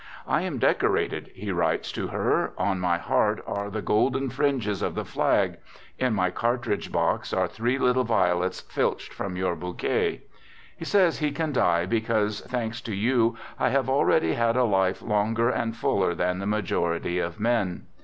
" I am decorated," he writes to her; " on my heart are the golden fringes of the flag; in my cartridge box are three little violets filched from your bouquet." He says he can die because " thanks to you, I have already had a life longer and fuller than the majority of men."